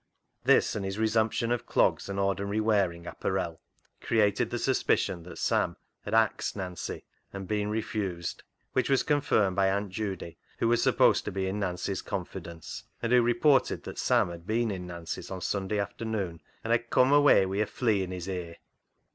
This and his resumption of clogs and ordinary wearing apparel created the suspicion that Sam had " axed " Nancy and had been refused, which was confirmed by Aunt Judy, who was supposed to be in Nancy's confidence, and who reported that Sam had been in Nancy's on Sunday afternoon and had "cum away wi' a flea in his ear."